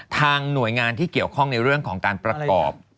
หน่วยงานที่เกี่ยวข้องในเรื่องของการประกอบ